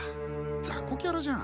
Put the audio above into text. ざこキャラじゃん。